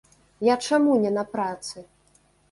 Я чаму не на працы?